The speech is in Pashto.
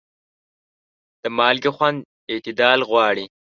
د مالګې خوند اعتدال غواړي.